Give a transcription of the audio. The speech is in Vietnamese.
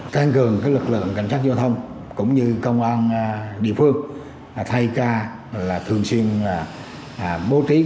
tăng cường lực lượng cảnh sát giao thông cũng như công an địa phương thay ca thường xuyên bố trí